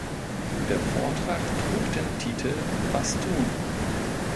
Der Vortrag trug den Titel "Was tun?